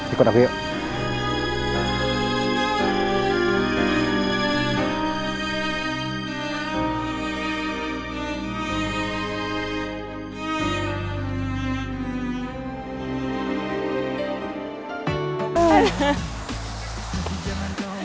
ikut aku yuk